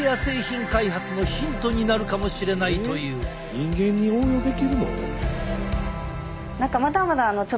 人間に応用できるの？